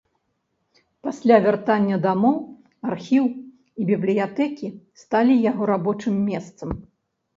Пасля вяртання дамоў архіў і бібліятэкі сталі яго рабочым месцам.